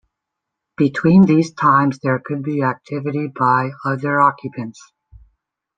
Between these times there could be activity by other occupants.